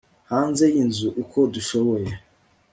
Hanze yinzu uko dushoboye